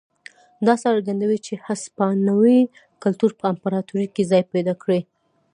دا څرګندوي چې هسپانوي کلتور په امپراتورۍ کې ځای پیدا کړی.